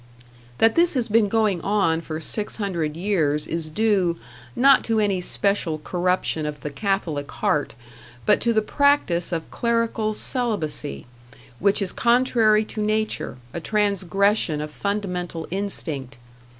That this has been going on for six hundred years is due, not to any special corruption of the Catholic heart, but to the practice of clerical celibacy, which is contrary to nature, a transgression of fundamental instinct.